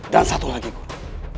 dan satu lagi guru